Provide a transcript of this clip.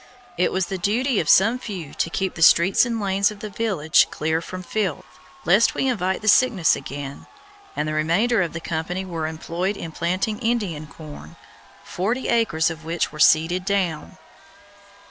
It was the duty of some few to keep the streets and lanes of the village clear of filth, lest we invite the sickness again, and the remainder of the company were employed in planting Indian corn, forty acres of which were seeded down.